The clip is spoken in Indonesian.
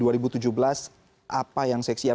apa yang seksi apa yang harus diamati